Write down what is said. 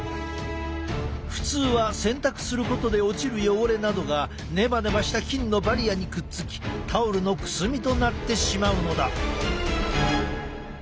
普通は洗濯することで落ちる汚れなどがネバネバした菌のバリアにくっつきタオルのくすみとなってしまうのだ。